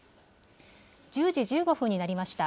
１０時１５分になりました。